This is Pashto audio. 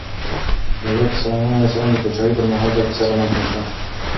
د حضرت سلیمان علیه السلام د پاچاهۍ پر مهال دا کیسه رامنځته شوه.